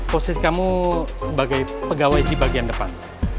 posisi kamu sebagai pegawai di bagian depan